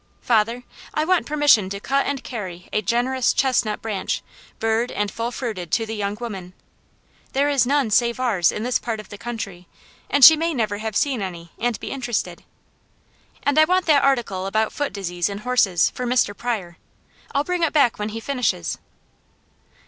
"Father, I want permission to cut and carry a generous chestnut branch, burred, and full fruited, to the young woman. There is none save ours in this part of the country, and she may never have seen any, and be interested. And I want that article about foot disease in horses, for Mr. Pryor. I'll bring it back when he finishes."